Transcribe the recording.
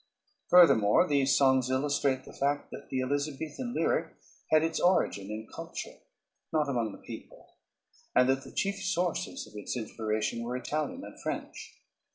Furthermore, these songs illustrate the fact that the Elizabethan lyric had its origin in culture, not among the people, and that the chief sources of its inspiration were Italian and French.